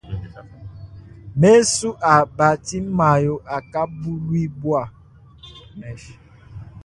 Mesu a batimayo akabuluibua.